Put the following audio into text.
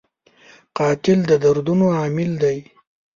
قاتل د دردونو عامل دی